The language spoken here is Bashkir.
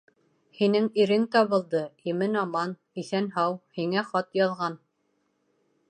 Һинең ирең табылды, имен-аман, иҫән-һау, һиңә хат яҙған!